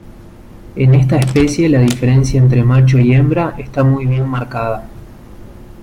En esta especie la diferencia entre macho y hembra está muy bien marcada.